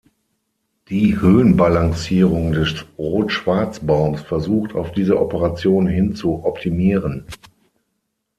Die Höhen-Balancierung des Rot-Schwarz-Baums versucht, auf diese Operation hin zu optimieren.